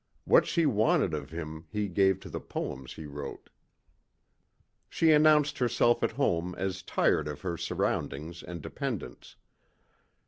What she wanted of him he gave to the poems he wrote. She announced herself at home as tired of her surroundings and dependence.